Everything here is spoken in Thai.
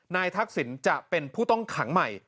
ทักษิณจะเป็นผู้ต้องขังใหม่